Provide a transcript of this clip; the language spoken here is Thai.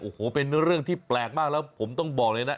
โอ้โหเป็นเรื่องที่แปลกมากแล้วผมต้องบอกเลยนะ